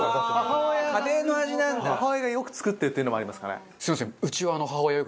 母親がよく作ってっていうのもありますかね。